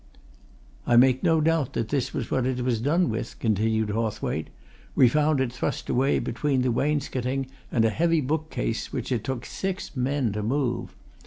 "I make no doubt that this was what it was done with," continued Hawthwaite. "We found it thrust away between the wainscoting and a heavy bookcase which it took six men to move.